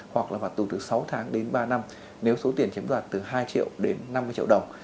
hoặc là phạt tù từ sáu tháng đến ba năm nếu số tiền chiếm đoạt từ hai triệu đến năm mươi triệu đồng